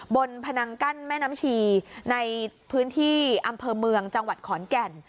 พนังกั้นแม่น้ำชีในพื้นที่อำเภอเมืองจังหวัดขอนแก่น